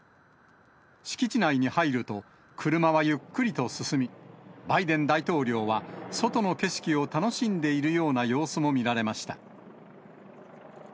敷地内に入ると、車はゆっくりと進み、バイデン大統領は外の景色を楽しんでいるような様子も見られました。